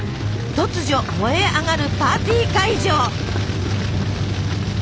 突如燃え上がるパーティー会場。